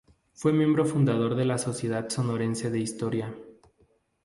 Fue miembro fundador de la Sociedad Sonorense de Historia.